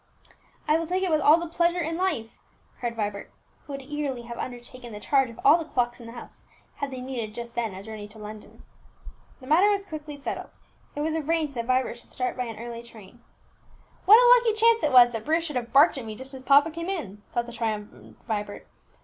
"I will take it with all the pleasure in life!" cried Vibert, who would eagerly have undertaken the charge of all the clocks in the house had they needed just then a journey to London. The matter was quickly settled; it was arranged that Vibert should start by an early train. "What a lucky chance it was that Bruce should have barked at me just as papa came in!" thought the triumphant Vibert.